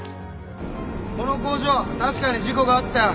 この工場確かに事故があったよ